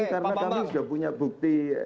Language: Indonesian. karena kami sudah punya bukti